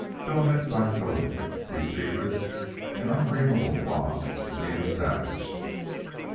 Filament by filament, these secret and undreamable bonds were being established.